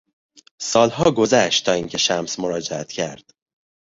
سالها گذشت تا اینکه شمس مراجعت کرد.